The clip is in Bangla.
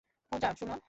পূজা, শোনো।